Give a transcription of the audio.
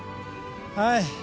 はい。